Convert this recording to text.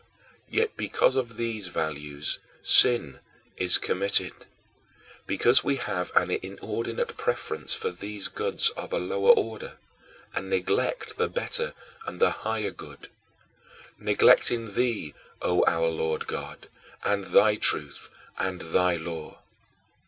Yet because of these values, sin is committed, because we have an inordinate preference for these goods of a lower order and neglect the better and the higher good neglecting thee, O our Lord God, and thy truth and thy law.